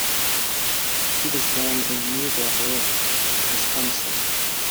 She was born in New Berlin, Wisconsin.